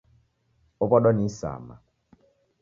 Ow'adwa ni isama